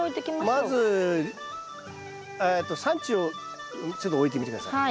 まずえっとサンチュをちょっと置いてみて下さい。